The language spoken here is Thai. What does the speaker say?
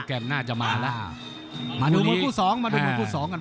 โปรแกรมหน้าจะมาแล้วมาดูคนผู้สองกันบ้าง